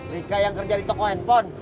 lika yang kerja di toko handphone